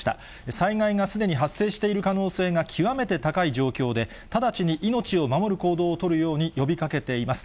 災害がすでに発生している可能性が極めて高い状況で、直ちに命を守る行動を取るように呼びかけています。